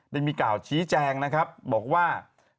ได้มีกล่าวชี้แจงนะครับบอกว่า